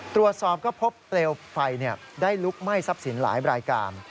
ตรวจสอบก็พบเปลวไฟได้ลุกไหม้ทรัพย์สินหลายรายการ